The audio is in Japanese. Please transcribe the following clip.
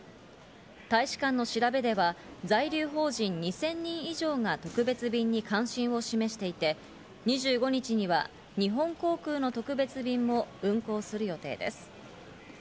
大使館の調べでは在留邦人２０００人以上が特別便に関心を示していて２５日には日本航空の特別便も運航する予定です。